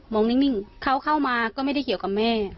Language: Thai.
นิ่งเขาเข้ามาก็ไม่ได้เกี่ยวกับแม่